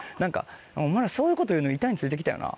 「お前らそういうこと言うの板について来たよな」。